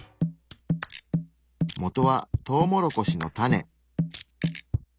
もとはトウモロコシの種。